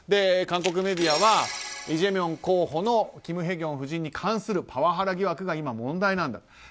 韓国メディアはイ・ジェミョン候補のキム・ヘギョン夫人に関するパワハラ疑惑が今、問題なんだと。